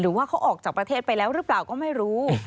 หรือว่าเขาออกจากประเทศไปแล้วหรือเปล่าก็ไม่รู้